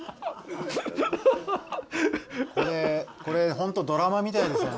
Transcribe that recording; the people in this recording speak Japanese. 本当にドラマみたいですよね。